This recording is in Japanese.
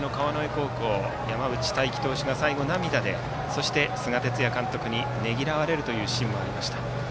高校山内太暉投手が最後、涙でそして、菅哲也監督にねぎらわれるシーンもありました。